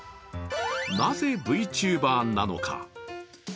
なぜＶチューバーなのか。